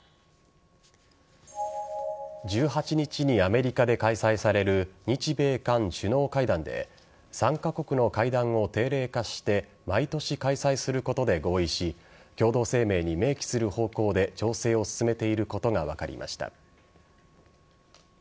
１８日にアメリカで開催される日米韓首脳会談で３カ国の会談を定例化して毎年開催することで合意し共同声明に明記する方向で調整を進めていることが分かりました。